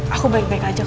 aku baik baik aja kok